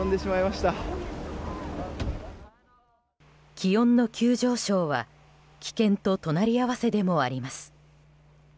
気温の急上昇は危険と隣り合わせでもあります。